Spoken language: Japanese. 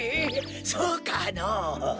そうかのぉ？